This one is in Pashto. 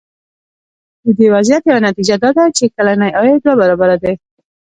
د دې وضعیت یوه نتیجه دا ده چې کلنی عاید دوه برابره دی.